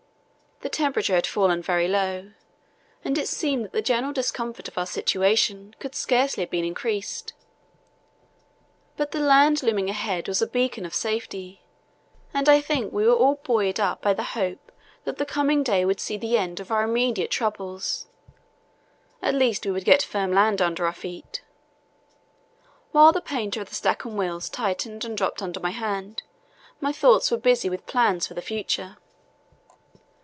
The temperature had fallen very low, and it seemed that the general discomfort of our situation could scarcely have been increased; but the land looming ahead was a beacon of safety, and I think we were all buoyed up by the hope that the coming day would see the end of our immediate troubles. At least we would get firm land under our feet. While the painter of the Stancomb Wills tightened and drooped under my hand, my thoughts were busy with plans for the future.